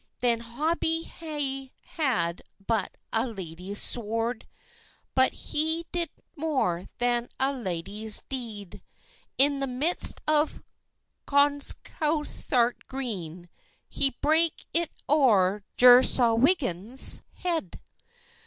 Then Hobie he had but a laddies sword; But he did more than a laddies deed; In the midst of Conscouthart Green, He brake it oer Jersawigham's head.